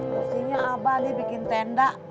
pastinya abah nih bikin tenda